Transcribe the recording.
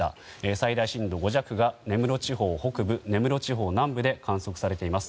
最大震度５弱が根室地方北部根室地方南部で観測されています。